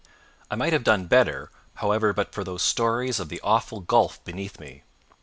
I might have done better, however, but for those stories of the awful gulf beneath me.